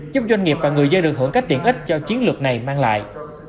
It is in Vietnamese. giúp doanh nghiệp và người dân được hưởng các tiện ích cho chiến lược này mang lại